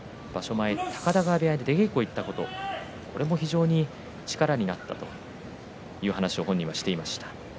前、高田川部屋に出稽古に行ったことが非常に力になったという話を本人はしていました。